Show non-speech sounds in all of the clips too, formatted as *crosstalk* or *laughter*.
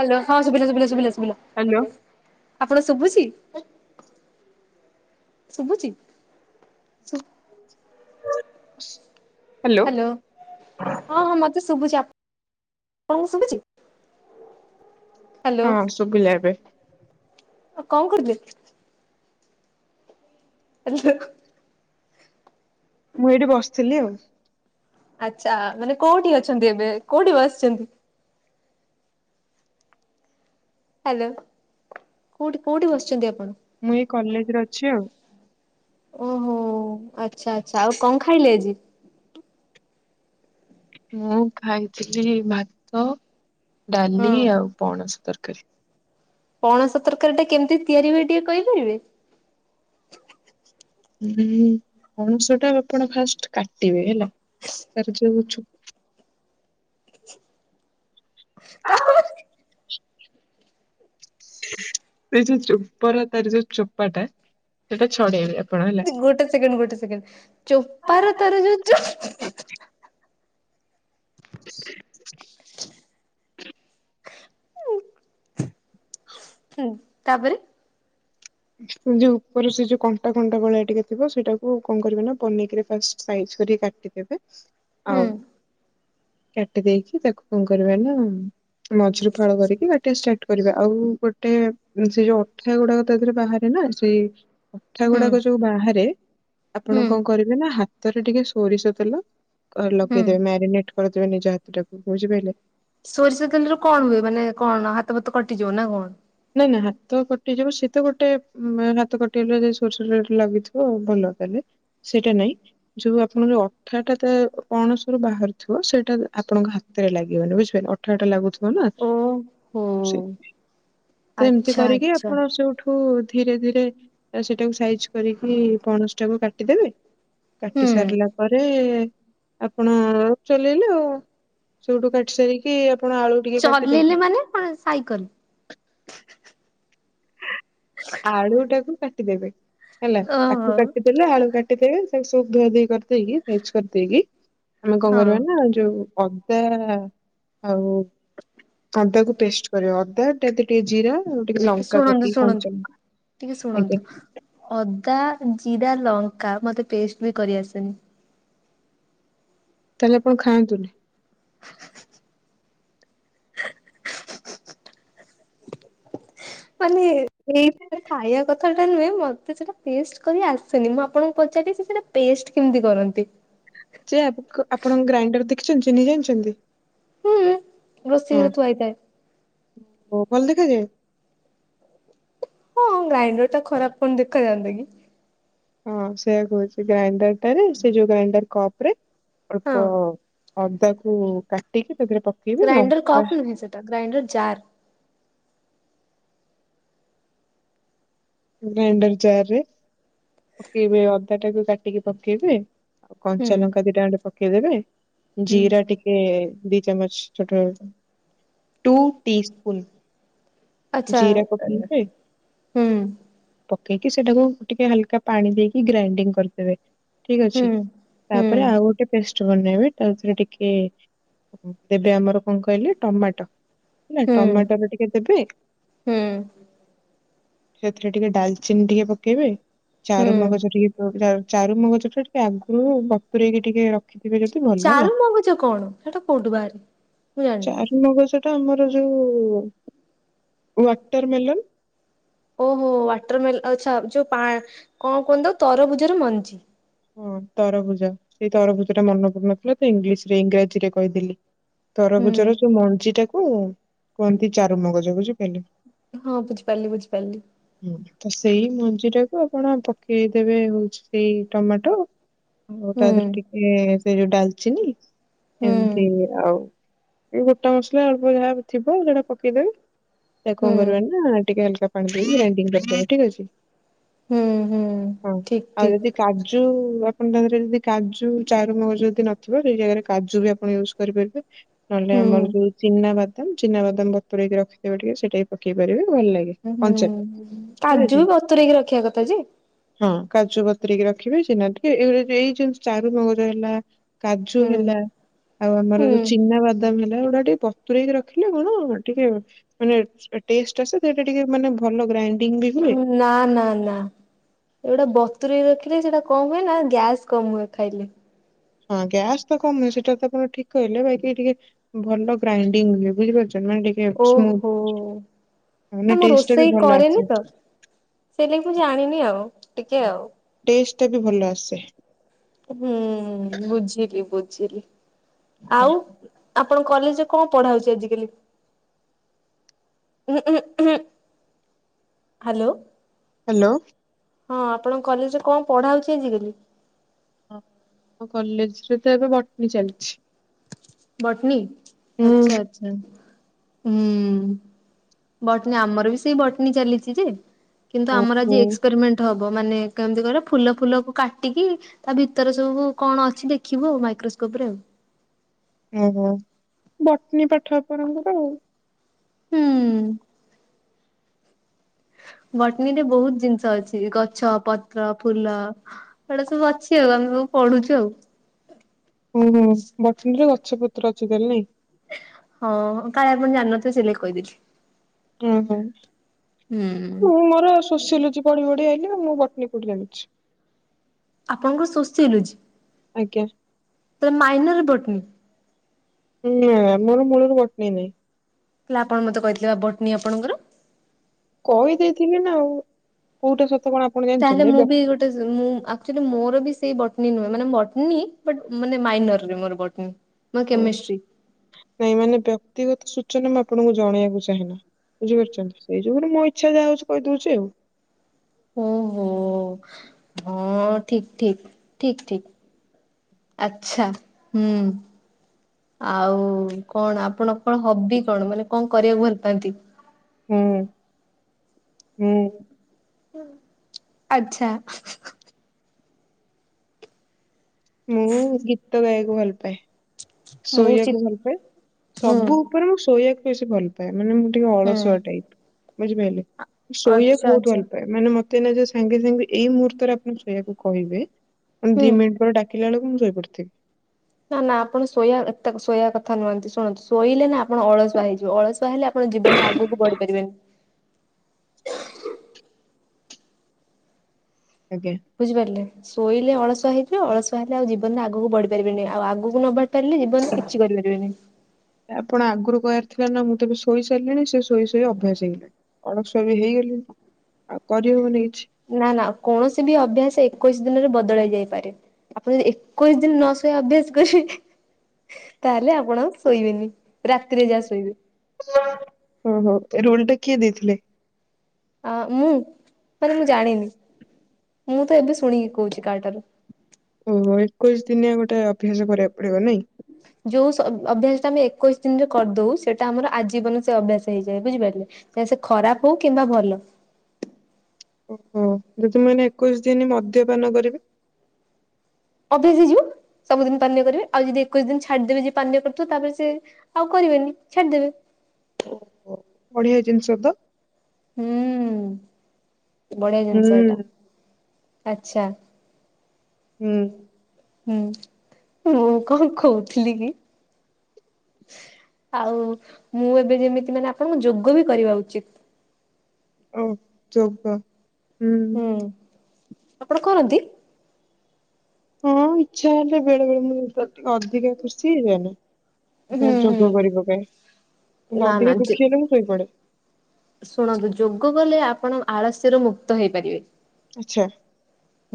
Hello ହଁ ଶୁଭିଲା ଶୁଭିଲା ସୁଭିଲା ହ୍ୟାଲୋ ଶୁଭିଲା। ଆପଣ ଶୁଭୁଚି ଶୁଭୁଚି ଶୁୁ ବ ହ୍ୟାଲୋ ହଁ ହଁ ମତେ ଶୁଭୁଛି ଆଣଙ୍କୁ ଶୁଭୁଛି? ହ୍ୟାଲୋ ହଁ ସବୁିଲା ଏବେ। ଆଉ କଣ କରୁଥିଲେ? *unintelligible* ମୁଁ ଏଇଠି ବସିଥିଲି ଆଉ। ଆଚଛା ମାନେ କୋଉଠି ଅଛନ୍ତି ଏବେ କୋଉଠି ବସିଛନ୍ତି? ହ୍ୟାଲୋ କୋଉଠି କୋଉଠି ବସିଛନ୍ତି ଆପଣ? ମୁଁ ଏଇ କଲେଜରେ ଅଛି ଆଉ। ଓହୋ ଆଚ୍ଛା ଆଛା ଆଉ କଣ ଖାଇଲେ ଆଜି? ମୁଁ ଖାଇଥିଲି ଭାତ ହଁ ଡାଲି ଆଉ ପଣସ ତର କାରି। ପଣସ ତରକାରୀଟା କେମିତି ତିଆରି ହୁଏ ଟିକେ କହିପାରିବେ? ହୁଁ ପଣସ ଟା ଆପଣ ଫାଷ୍ଟ କାଟିବେ ହେଲା। ତାରଯାଉଛୁ *inaudible* *unintelligible* ସେଇ ଯୋଉ ଚୋପର ତାର ଯୋଉ ଚୋପାଟା ସେଟା ଛଡେଇବେ। ଆପଣ ହେଲା। ଗୋଟେ ସେକେଣ୍ଡ ଗୋଟେ ସେକେଣ୍ଡ ଚୋପାର ତାର ଯୋଉ ଚୋ *inaudible* ଉଁ ଉ ତାପରେ। ଯୋଉ ଉପର ସେ ଯୋଉ କଣ୍ଟା କଣ୍ଟା ଗଳିଆ ଟିକେ ଥିବ ସେଇଟାକୁ କଣ କରିବେ ନା ପନୀକିରେ ଫାଷ୍ଟ ସାଇଜ ଛୁରୀ କାଟି ଦେବେ। ହୁଁ। କାଟି ଦେଇେଇକି ତାକୁ କଣ କରିବେନା ମଝିରୁ ଫାଳ କରିକି କାଟିଵା ଷ୍ଟାର୍ଟ କରିବା। ଆଉ ଗୋଟେ ସେ ଯୋଉ ଅଠିଆ ଗୁଡାକ ତା ଦେହରେ ବାହାରେ ନା ସେଇ ଅଠା ହୁଁ ଗୁଡାକ ଯୋଉ ବାହାରେ ଆପଣ ହୁଁ। କଣ କରିବେ ନା ହା ତରେ ଟିକେ ସୋରିଷ ତେଲ ଘରେ ହୁଁ ଲଗେଇଦେବେ ମ୍ୟାରିନେଟ କରିଦେବେ ନିଜ ହାତ ଟାକୁ ବୁଝିପାରିଲେ। ସୋରିଷ ଯୋ ନା କଣ। ନାଇଁ ନାଇଁ ହାତ କଟିଯିବ ସେତ ଗୋଟେ ହାତ କଟିଗଲେ ସୋରିଷ ନେଟ ଲାଗିଥିବ ଭଲ ତାହେଲେ। ସେଇଟା ନାଇଁ ଯୋଉ ଆପଣ ଯୋଉ ଅଠାଟାଟା ପଣସରୁ ବାହାରିଥିବ ସେଇଟା ଆପଣ ହାତରେ ଲାଗିବନି ବୁଝିଲେ ଅଠାଅଠା ଲାଗୁ ହଁ ନା ଓହୋ ସେ ତ ଏମିତି ଆଚ୍ଛା କରିକି ଆଚ୍ଛା। ଆପଣ ସେଉଠୁ ଧୀରେ ଧୀରେ ସେଟାକୁ ସାଇଜ କରିକି ପଣସଟାକୁ କାଟିଦେବେ। କାଟି ହୁଁ ସାରିଲା ପରେ ଆପଣ ଚଲେଇଲେ ଆଉ। ସେଉଠୁ କାଟି ସାରିକି ଆପଣ ଆଳୁ ଟିକେ ଚଲେଇଲେ କାଟିଦେଇ। ମାନେ କଣ ସାଇକଲ *inaudible* ଆଳୁଟାକୁ କାଟିଦେବେ ହେଲା ତାକୁ ଓହୋ। କାଟିଦେଲେ ଆଳୁ କାଟିଦେବେ ତାକୁ ସବୁ ଧୁଆ ଧୁଇ କରିଦେଇକି ଭେଜ କରିଦେଇକି ଆମେ କଣ କରିବା ହଁ ନା ଯୋଉ ଅଦା ଆଉ। ଅଦାକୁ ଟେଷ୍ଟ କରିବା ଅଦାଟା ଟିକେ ଜିରା ଟିକେ ଲଙ୍କା ଶୁଣନ୍ତୁ ପକେଇ ଶୁଣନ୍ତୁ କଞ୍ଚା ଟିକେ ଆଜ୍ଞା ଶୁଣନ୍ତୁ ଅ ଙ୍କା ଜିରା ଲଙ୍କା ମତେ ପେଷ୍ଟ ବି କରି ଆସେନି। ତାହେଲେ ଆପଣ ଖାଆନ୍ତୁନି। ମାନେ ଏଇଟା ଖାଇବା କଥାଟା ନୁହେଁ ମତେ ସେଟା ପେଷ୍ଟ କରି ଆସନି ମୁଁ ଆପଣଙ୍କୁ ସେଠି ସେ ପୁରା ପେଷ୍ଟ କେମିତି କରନ୍ତି? ଯେ ଆପ ଆପଣ ଗ୍ରାଇଣ୍ଡର ଦେଖିଛନ୍ତି ଚିହ୍ନି ଜାଣିଛନ୍ତି? ହୁଁ ରୋଷେଇ ଘରେ ଥୁଆଇଥାଏ। ଓଃ ଭଲ ଦେଖା ଯାଏ? ହଁ ଗ୍ରାଇଣ୍ଡରଟା ଖରାପ କଣ ଦେଖାଯାନ୍ତା କି? ହଁ ସେଇଆ କହୁଛି ଗ୍ରାଇଣ୍ଡରଟାରେ ସେ ଯୋଉ ଗ୍ରାଇଣ୍ଡର କପରେ ହଁ ଅଳ୍ପ ଅଦାକୁ କାଟିକି ତା ଦେହେରେ ପକେଇବି ଗ୍ରାଇଣ୍ଡର ଲଙ୍କା କପ୍ ନୁହେଁ ସେଟା ଗ୍ରାଇଣ୍ଡର ଜାର୍ ଗ୍ରାଇଣ୍ଡର ଜାରରେ ପକେଇବେ ଅଦାଟାକୁ କାଟିକି ପକେଇବେ ଆଉ ହୁଁ କଞ୍ଚା ଲଙ୍କା ଦିଟା ଖଣ୍ଡେ ପକେଇଦେବେ ହୁଁ। ଜିରା ଟିକେ ଦି ଚାମଚ ଛୋଟ ଛୋଟ ଟୁ ଟି ସ୍ପୁନ୍ ଆଚ୍ଛା ଜିରା ପକେଇବେ ହୁଁ ପକେଇକି ସେଇଟାକୁ ଟିକେ ହାଲକା ପାଣି ଦେଇକି ଗ୍ରାଇଣ୍ଡିଙ୍ଗ କରିଦେବେ। ଠିକ ହୁଁ ଅଛି। ହୁଁ ତାପରେ ଆଉ ଗୋଟେ ପେଷ୍ଟ *unintelligible* ତାଦେହେରେ ଟିକେ ଦେବେ ଆମର କଣ କହିଲେ ଟମାଟ। ହେଲା ହୁଁ। ଟମାଟୋରୁ ଟିକେ ଦେବେ ହୁଁ ଆ ସେଥିରେ ଟିକେ ଡାଲଚିନି ଟିକେ ପକେଇବେ। ହୁଁ ଚାରୁମଗଜ ଟିକେ ପ ଚା-ଚାରୁମଗଜଟା ଟିକେ ଆଗୁରୁ ବତୁରେଇକି ଟିକେ ରଖିଥିବେ ଯଦି ଭଲ। ହେଲା ଚାରୁମଗଜ କଣ? ସେଇଟା କୋଉଠୁ ବାହାରେ? ମୁଁ ଜାଣିନି। ତ ଆମର ଯୋଉ ୱାଟର ମେଲନ? ଓହୋ ୱାଟର ମେଲ ଆଚ୍ଛା ଯୋଉ ପା କଣ କୁହନ୍ତି ତ ତରଭୁଜର ମଞ୍ଜି। ହଁ ତରଭୁଜ। ସେଇ ତରଭୁଜଟା ମନ ପଡ଼ୁନଥିଲା ତ ଇଂଲିଶରେ ଇଂରାଜୀରେ କହିଦେଲି। ହୁଁ। ତରଭୁଜର ଯୋଉ ମଞ୍ଜିଟାକୁ କୁହନ୍ତି ଚାରୁମଗଜ ବୁଝିପାରିଲେ। ହଁ ବୁଝିପାରିଲି ବୁଝିପାରିଲି ହୁଁ। ତ ସେଇ ମଞ୍ଜିଟାକୁ ଆପଣ ପକେଇଦେବେ ହଉଛି ସେଇ ଟମାଟୋ ଆଉ ତା ହୁଁ ଦେହେରେ ଟିକେ ସେ ଯୋଉ ଡାଲଚିନି ହୁଁ ଏମିତି ଆଉ ଏଇ ଗୋଟା ମସଲା ଅଳ୍ପ ଯାହା ଥିବ ସେଇଟା ପକେଇଦେବେ ତାକୁ ହୁଁ। କଣ କରିବା ନା ଟିକେ ହାଲକା ପାଣି ଦେଇକି ଗ୍ରାଇଣ୍ଡିଙ୍ଗ କରିଦେବେ ଠିକ ଅଛି। ହୁଁ ହୁଁ ହଁ। ଠିକ ଆଉ ଯଦି ଠିକ। କାଜୁ ଆପଣ ତା ଦେହରେ ଯଦି କାଜୁ ଚାରୁମଗଜ ଯଦି ନଥିବ ସେଇ ଜାଗାରେ କାଜୁ ବି ଆପଣ ୟୁଜ୍ କରିପାରି *unintelligible* ନହେଲେ ହୁଁ। ଆମର ଯୋଉ ଚିନାବାଦାମ ଚିନାବାଦାମ ବତୁରେଇକି ରଖିଥିବେ ଟିକେ ସେଇଟା ବି ପକେଇପାରିବେ। ହୁଁ କାଜୁ ଅଛି ବି ବତୁରେଇକି ରଖିବା କଥା ଯେ। ହଁ କାଜୁ ବତୁରେଇକି ରଖିବେ ସିନା ଟିକେ ଏଗୁଡା ଯଦି ଏଇ ଜିନିଷ ଚାରୁମଗଜ ହେଲା କାଜୁ ହୁଁ। ହେଲା ଆଉ ଆମର ଯୋଉ ହୁଁ ଚିନାବାଦାମ ହେ ସେଗୁଡ଼ା ଟିକେ ବତୁରେଇକି ରଖିଲେ କଣ ଟିକେ ମାନେ ଟେଷ୍ଟ ଆସେ ସେଇଟା ଟିକେ ମାନେ ଭଲ ଗ୍ରାଇ ନା ନା ନା ଏଗୁଡା ବ ବତୁରେଇକି ରଖିଲେ ସେଇଟା କଣ ହୁଏ ନା ଗ୍ୟାସ୍ କମ୍ ହୁଏ ଖାଇଲେ। ହଁ ଗ୍ୟାସ୍ ତ କମ୍ ହୁଏ ସେଇଟା ତ ଆପଣ ଠିକ କହିଲେ ବାକି ଟିକେ ଭଲ ଗ୍ରାଇଣ୍ଡିଙ୍ଗ ହୁଏ ବୁଝିପାରୁଚ୍ *unintelligible* ଟିକେ ସ୍ମୁ ଓହୋ ନା ନାଇ ମୁଁ ଟେଷ୍ଟଟା ବି ରୋଷେଇ ଭଲ କରେନି ଆସେ। ତ। ସେଇ ଲାଗି ଜାଣିନି ଆଉ ଟିକେ ଆଉ। ମତେ ବି ଭଲ ଆସେ। ହୁଁ ବୁଝିଲି ବୁଝିଲି ଆଉ ଆପଣଙ୍କ କଲେଜରେ କଣ ପଢ଼ା ହଉଛି ଆଜିକାଲି? ଉଁ ଉଁ ହୁଁ ହାଲୋ। ହାଲୋ। ହଁ ଆପଣଙ୍କ କଲେଜରେ କଣ ପଢ଼ା ହଉଛି ଆଜିକାଲି? ହଁ ଆମ କଲେଜରେ ତ ଏବେ ବଟନୀ ଚାଲିଛି। ବଟନୀ ଆଚ୍ଛା ହୁଁ ଆଚ୍ଛା। ହୁଁ ବଟନୀ ଆମର ବି ସେଇ ବଟନୀ ଚାଲିଛି ଯେ। କିନ୍ତୁ ଆମର ଓହୋ ଆଜି ଏକ୍ସପେରିମେଣ୍ଟ ହ ବ ମାନେ କେମତି କହିଲ ଫୁଲ ଫୁଲକୁ କାଟିକି ତା ଭିତରେ ସବୁ କଣ ଅଛି ଦେଖିବୁ ଆଉ ମାଇକ୍ରୋସ୍ ସ୍କୋପରେ ଆଉ ଓହୋ ବଟନୀ ପାଠ ଆପଣଙ୍କର ଆଉ। ହୁଁ। ବଟଣୀ ରେ ବହୁତ ଜିନିଷ ଅଛି ଗଛ ପତ୍ର ଆଉ ଫୁଲ ଏଗୁଡ଼ା ସବୁ ଅଛି ଆଉ ଆମକୁ ପଢ଼ୁଛୁ ଆଉ। ଓହୋ ବଟନୀରେ ଗଛ ପତ୍ର ଅଛି ତାହେଲେ ନାଇଁ। ହଁ କାଳେ ଆପଣ ଜାଣିନଥିବ ସେଇ ଲାଗି କହିଦେଲି। ହୁଁ ହୁଁ ହୁଁଁ ମୋର ଶୋଷିଲୁଚ ପଢି ବଢି ଆଇିଲ ମୁଁ ବଟନୀ କୋଉଠି ଜାଣିଛି? ଆପଣଙ୍କର ଶୋଷିଓଲୋଜି। ଆଜ୍ଞା। ତାେ ମାଇନର ବଟନି। ହୁଁ ମର ମୂଳ ରୁ ବଟିନ ନାହିଁ । ହେଲା ଆପଣ ମତେ କହିଥିଲେ ବଟନୀ ଆପଣଙ୍କର? କହିଦେଇଥିଲି ନା ଆଉ କୋଉଟା ସତ କଣ ଆପଣ ତାହେଲେ ଜାଣିଛନ୍ତି ମୁଁ ବି ବ୍ୟକ୍ତି ଗୋଟେ ମୁଁ ଆକୁଚୁଆଲି ମୋର ବି ସେଇ ବତ୍ ଟୀ ନୁହେଁ ମାନେ ବଟୀଟ ମାନେ ମାଇନରରେ ମୋର ବଟନୀ । ଓ ନାଇଁ ମାନେ ବ୍ୟକ୍ତିଗତ ସୂଚନା ମା ଆପଣଙ୍କୁ ଜଣେଇବାକୁ ଚାହେନା ବୁଝିପାରୁଛନ୍ତି? ସେଇ ଯୁଗୁରୁ ମୋ ଇଚ୍ଛା ଯାହା ହଉଛି କହିଦଉଛି ଆଉ । ଓହୋ ହଁ ଠିକ ଠିକ ଠିକ ଠିକ। ଆଛା ହୁଁ ଆଉ କଣ ଆପଣ କଣ ହବି କଣ ମାନେ କଣ କରିବାକୁ ଭଲ ପାନ୍ତି? ହୁଁ ହୁଁ ଆଚ୍ଛା ହୋ ହୋ ମୁଁ ଗୀତ ଗାଇବାକୁ ଭଲ ପାଏ । ମୁଁ ଚି ଶୋଇବାକୁ ଭଲ ପାଏ ହୁଁ ସବୁ ଉପରେ ମୁଁ ଶୋଇବାକୁ ବେଶୀ ଭଲ ପାଏ । ମାନେ ମୁଁ ଟିକେ ହୁଁ। ଅଳସୁଆ ଟାଇପ ବୁଝିପାଇଲେ? ଆଚ୍ଛା ଶୋଇବାକୁ ବହୁତ ଆଚ୍ଛା ଭଲ ପାଏ ମାନେ ମତେ ଜ ସାଙ୍ଗେ ସାଙ୍ଗେ ଏଇ ମୁହୂର୍ତ୍ତରେ ଆପଣ ଶୋଇବାକୁ କହିବେ ହୁଁ। ଦି ମିନିଟ୍ ପରେ ଡାକିଲା ବେଳକୁ ଶୋଇପଡ଼ିଥିବି । ନା ନା ଆପଣ ଶୋଇବା ଏତେ ଶୋଇବା କଥା ନୁହନ୍ତି ଶୁଣନ୍ତୁ ଶୋଇଲେ ନା ଆପଣ ଅଳସୁଆ ହେଇଯିବ ଅଳସୁଆ ହେଲେ ଆପଣ ଜୀବନରେ ଆଗକୁ ବଢି ପାରିବେନି । ହ *unintelligible* ଆଜ୍ଞା। ବୁଝିପାରିଲେ ଶୋଇଲେ ଅଳସୁଆ ହେଇିବ ଅଳସୁଆ ହେଲେ ଆଉ ଜୀବନରେ ଆଗକୁ ବଢି ପାରିବିନି ଆଉ ଆଗକୁ ନବାଢ ପାରିଲେ ଜୀବନ କିଛି କରିପାରିବେନି । ଆପଣ *inaudible* ଥିଲା ନା ମୁଁ ତେବେ ଶୋଇ ସାରିଲିଣି ସେ ଶୋଇ ଶୋଇ ଅଭ୍ୟାସ ହେଇଗଲାଣି ଅଳସଆ ବି ହେଇଗଲିଣି । ଆଉ କରିହବନି। କିଛି। ନା ନା କୌଣସି ବି ଅଭ୍ୟାସ ଏକୋଇଶି ଦିନରେ ବ ବଦଳି ଯାଇପାରେ ଆପଣ ଯଦି ଏକୋଇଶ ଦିନ ନ ଶୋଇ ଅଭ୍ୟାସ କରିବେ ତାହେଲେ ଆପଣ ଆଉ ଶୋଇବେନି ରାତିରେ ଯାହା ଶୋଇବେ । ଓହୋ ରୋଲ ଟା କିଏ ଦେଇଥିଲେ? ଆ ମୁଁ ମାନେ ମୁଁ ଜାଣିନି ମୁଁ ତ ଏବେ ଶୁଣିକି କହୁଛି କାହାଠାରୁ । ଓହୋ ଏକୋଇଶି ଦିନିଆ ଗୋଟେ ଅଭ୍ୟାସ କରିବାକୁ ପଡିବ ନାଇଁ? ଯୋଉ ଅଭ୍ୟାସ ଟା ଆମେ ଏକୋଇଶ ଦିନରେ କରିଦଉ ସେଇଟା ଆମର ଆଜୀବନ ସେ ଅଭ୍ୟାସ ହେଇଯାଏ ବୁଝିପାରିଲେ ଖରାପ ହଉ କିମ୍ବା ଭଲ । ହ ଯେ ତୁମେ ମାନେ ଏକୋଇଶି ଦିନ ମଦ୍ୟପାନ କରିବେ? ଶେସେ ହେଇଯିବ। ସବୁଦିନ ପାନୀୟ କରିବେ ଆଉ ଯଦି ଏକୋଇଶି ଦିନ ଛାଡିଦେବେ ଯେ ପାନୀୟ କରୁଥିବ ତାପରେ ସେ ଆଉ କରିବେନି ଛାଡିଦେବେ । *inaudible* ୟେ ଜିନିଷ ତ? ହୁଁ ବଢିଆ ଜିନିଷ ଏଇଟା ହୁଁ ଆଛା । ହୁଁ। ହୁଁ ମୁଁ କଣ କହୁଥିଲି କି? ଆଉ ମୁଁ ଏବେ ଯେମିତି ମାନେ ଆପଣଙ୍କୁ ଯୋଗ ବି କରିବା ଉଚିତ । ଓ ଯୋଗ ହୁଁ ଆପଣ କରନ୍ତି? ହଁ ଇଚ୍ଛା ହେଲେ ବେଳେ ବେଳେ ମୁ ଟିକେ ଅଧିକା ଖୁସି ହେଇଯାଏନା। ହୁଁ ହୁଁ ଯୋଗ କରିପକାଏ କିନ୍ତୁ ନା ନା ଅଧିକା ଯେ ଦୁଃଖୀ ହେଲେ ମୁଁ ଶୋଇପଡେ । ଶୁଣନ୍ତୁ ଯୋଗ କଲେ ଆପଣ ଆଳସ୍ୟର ମୁକ୍ତ ହେଇପାରିବେ । ଆଛା।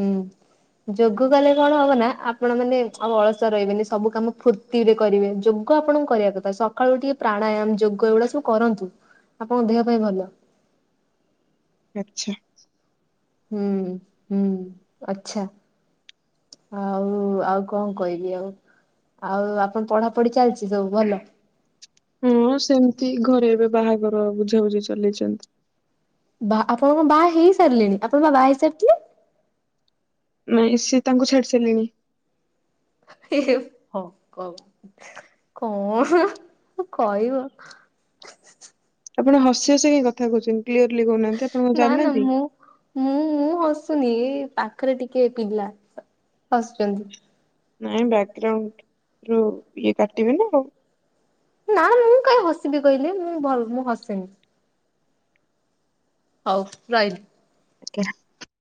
ହୁଁ ଯୋଗ କଲେ କଣ ହବ ନା? ଆପଣ ମାନେ ଆଉ ଅଳସୁଆ ରହିବେନି ସବୁ କାମ ଫୁର୍ତ୍ତି ରେ କରିବେ । ଯୋଗ ଆପଣ କରିବା କଥା ସକାଳୁ ଟିକେ ପ୍ରାଣ ପ୍ରାଣୟାମ ଯୋଗ ଏଗୁଡା ସବୁ କରନ୍ତୁ ଆପଣଙ୍କ ଦେହ ପାଇଁ ଭଲ । ଚ୍ଛେ। ହୁଁ ହୁଁ ଆଛା। ଆଉ ଆଉ କଣ କହିବି ଆଉ ଆଉ ଆପଣ ପଢାପଢି ଚାଲିଚି? ହଁ ସେମିତି ଘରେ ଏବେ ବାହାଘର ହ ବୁଝାବୁଝି ଚଲେଇଚନ୍ତି। ବା ଆପଣଙ୍କ ବା ହେଇସାରିଲେଣି ଆପଣଙ୍କ ବା ବାହା ହେଇସାରିଥିଲେ। ନାଇଁ ସିଏ ତାଙ୍କୁ ଛାଡି ଚାଲିଗଲେ। ଏ ହଁ । କ କଣ କହିବ? ଆପଣ ହସି ହସି କି କଥା କହୁଛନ୍ତି କ୍ଲିୟରଲି କହୁନାହାନ୍ତି ଆପଣ କଣ ନା ଜାଣିନାହାନ୍ତି? ଶୁନି ପାଖରେ ଟିକେ ପିଲା ହସୁଚନ୍ତି। ନାଇଁ ବ୍ୟାଗ୍ରାଉଣ୍ଡ ରୁ ଇଏ କାଟିବେ ନା ଆଉ ନା ମୁଁ କାହିଁ ହସିବି କହିଲେ ମୁଁ ଭଲ ମୁଁ ହସେନି। ହଉ ରହିଲି। ଆଜ୍ଞା।